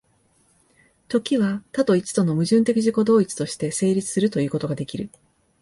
時は多と一との矛盾的自己同一として成立するということができる。